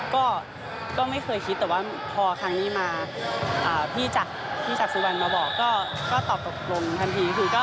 ก็ไม่เคยคิดแต่ว่าพอครั้งนี้มาพี่จากสุวรรณมาบอกก็ตอบตกลงทันที